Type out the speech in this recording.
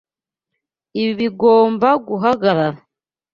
Ibi bigomba guhagarara.